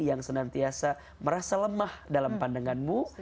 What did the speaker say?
yang senantiasa merasa lemah dalam pandanganmu